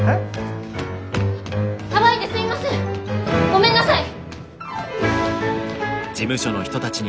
ごめんなさい！